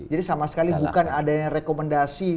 jadi sama sekali bukan ada rekomendasi